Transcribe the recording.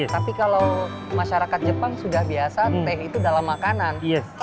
tapi kalau masyarakat jepang sudah biasa teh itu dalam makanan